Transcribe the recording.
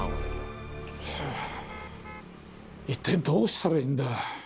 ハァ一体どうしたらいいんだ。